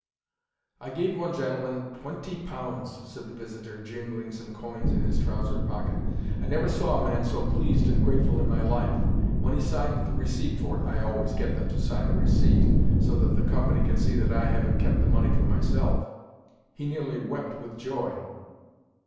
"I gave one gentleman twen ty pounds!" said the visitor, jingling some coins in his trouser pocket. "I never saw a man so pleased and grateful in my life. When he signed the receipt for it—I always get them to sign a receipt, so that the company can see that I haven't kept the money for myself—he nearly wept with joy."